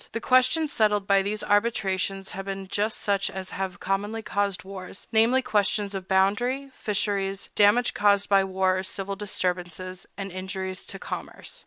The questions settled by these arbitrations have been just such as have commonly caused wars, namely, questions of boundary, fisheries, damage caused by war or civil disturbances, and injuries to commerce.